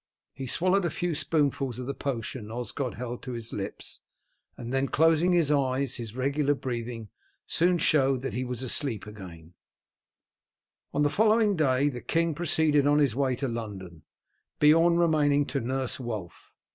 He swallowed a few spoonfuls of the potion Osgod held to his lips, and then closing his eyes his regular breathing soon showed that he was again asleep. On the following day the king proceeded on his way to London, Beorn remaining to nurse Wulf.